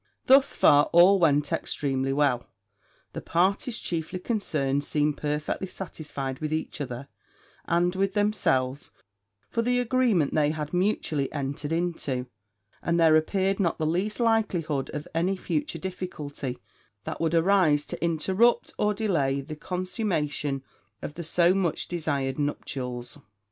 Thus far all went extremely well: the parties chiefly concerned seemed perfectly satisfied with each other, and with themselves, for the agreement they had mutually entered into; and there appeared not the least likelihood of any future difficulty that would arise to interrupt, or delay the consummation of the so much desired nuptials.